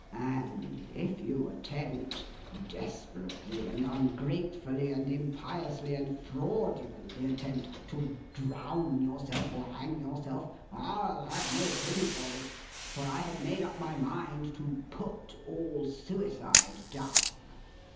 And if you attempt, desperately, and ungratefully, and impiously, and fraudulently attempt, to drown yourself, or hang yourself, I'll have no pity for you, for I have made up my mind to Put all suicide Down!